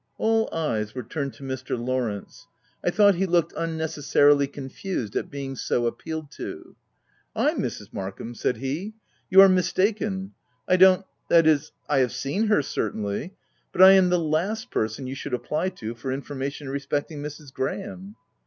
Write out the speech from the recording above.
All eyes were turned to Mr. Lawrence. I OF WILDFELL HALL. fl thought he looked unnecessarily confused at being so appealed to. " I, Mrs. Markham !" said he, " you are mis taken — I don't — that is — I have seen her cer tainly; but I am the last person you should apply to for information respecting Mrs. Gra ham."